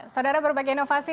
saudara berbagai inovasi